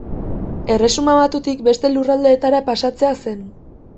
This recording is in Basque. Erresuma Batutik beste lurraldeetara pasatzea zen.